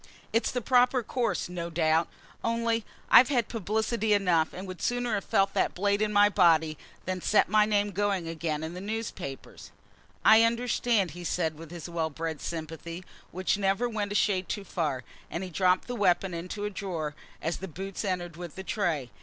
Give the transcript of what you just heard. It's the proper course, no doubt; only I've had publicity enough, and would sooner have felt that blade in my body than set my name going again in the newspapers." "I understand," he said, with his well bred sympathy, which never went a shade too far; and he dropped the weapon into a drawer, as the boots entered with the tray.